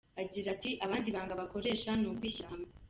Agira ati “Abandi ibanga bakoresha ni ukwishyira hamwe.